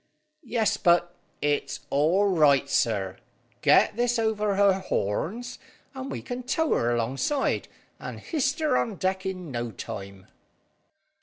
"Yes, but " "It's all right, sir. Get this over her horns, and we can tow her alongside, and hyste her on deck in no time."